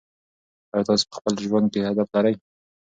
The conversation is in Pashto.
آیا تاسې په خپل ژوند کې هدف لرئ؟